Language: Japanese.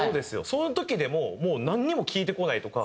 その時でももうなんにも聞いてこないとか。